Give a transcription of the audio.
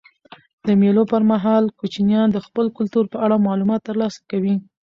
د مېلو پر مهال کوچنيان د خپل کلتور په اړه معلومات ترلاسه کوي.